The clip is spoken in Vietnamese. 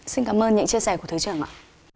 xin cảm ơn những chia sẻ của thứ trưởng ạ